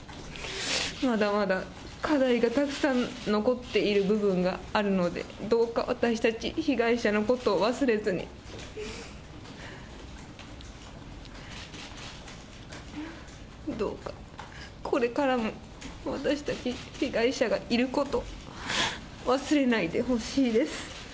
まだまだ課題がたくさん残っている部分があるので、どうか私たち被害者のことを忘れずに、どうか、これからも、私たち被害者がいることを忘れないでほしいです。